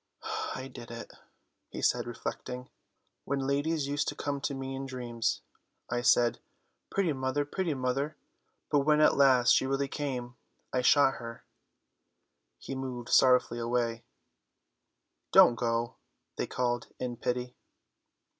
"I did it," he said, reflecting. "When ladies used to come to me in dreams, I said, 'Pretty mother, pretty mother.' But when at last she really came, I shot her." He moved slowly away. "Don't go," they called in pity.